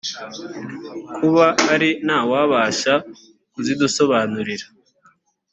kuba ari nta wubasha kuzidusobanurira